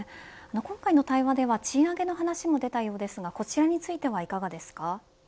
今回の対話では賃上げの話も出たようですがこちらについてはいかがですか。